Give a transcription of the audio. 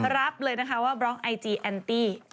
รับเลยนะคะว่าบล็อกไอจีแอนตี้